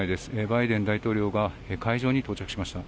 バイデン大統領が会場に到着しました。